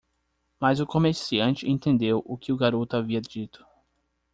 Mas o comerciante entendeu o que o garoto havia dito.